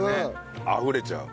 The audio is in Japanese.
あふれちゃう。